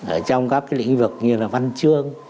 ở trong các cái lĩnh vực như là văn chương